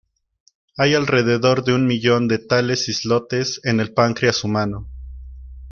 Hay alrededor de un millón de tales islotes en el páncreas humano.